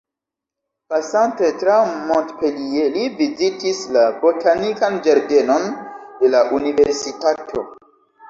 Pasante tra Montpellier, li vizitis la botanikan ĝardenon de la Universitato.